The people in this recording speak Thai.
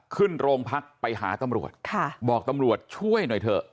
ขึ้นโรงพักไปหาตำรวจค่ะบอกตำรวจช่วยหน่อยเถอะ